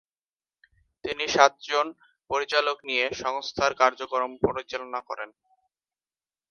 তিনি সাতজন পরিচালক নিয়ে সংস্থার কার্যক্রম পরিচালনা করেন।